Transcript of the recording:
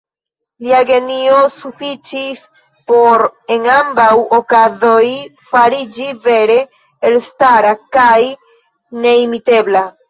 Lia genio sufiĉis por en ambaŭ okazoj fariĝi vere elstara kaj neimitebla.